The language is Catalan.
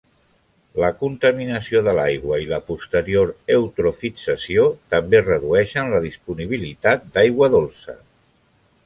La contaminació de l'aigua i la posterior eutrofització també redueixen la disponibilitat d'aigua dolça.